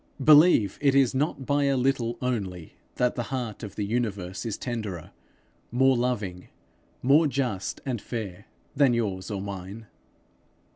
Believe it is not by a little only that the heart of the universe is tenderer, more loving, more just and fair, than yours or mine.